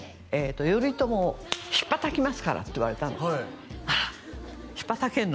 「頼朝をひっぱたきますから」って言われたの「あらひっぱたけんの？